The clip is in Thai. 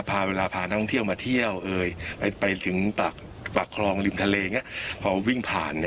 พอเวลาพาน้องเที่ยวมาเที่ยวไปไปถึงหนักหลองนิดนี้ภายพยานปะ